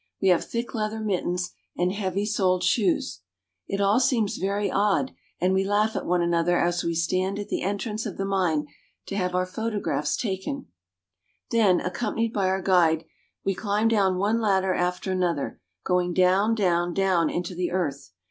We have thick leather mittens and heavy soled shoes. It all seems very odd, and we laugh at one another as we stand at the entrance of the mine to have our photographs taken. FROM ULM TO VIENNA. 277 Then, accompanied by our guide, we climb down one ladder after another, going down, down, down into the earth.